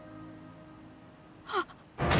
あっ。